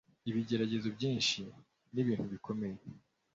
ibigeragezo byinshi n'ibintu bikomeye